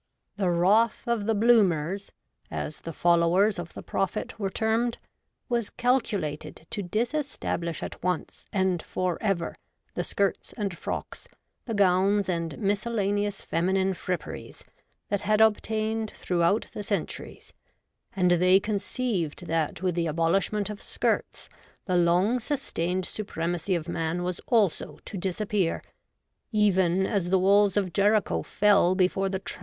The wrath of the Bloomers (as the followers of the Prophet were THE DRESS REFORMERS. 2^ termed) was calculated to disestablish at once and for ever the skirts and frocks, the gowns and miscellaneous feminine fripperies, that had obtained throughout the centuries ; and they conceived that with the abolishment of skirts the long sustained supremacy of man was also to disappear, even as the walls of Jericho fell before the trl!